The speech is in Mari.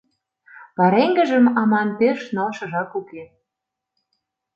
Пареҥгыжым, аман, пеш налшыжак уке.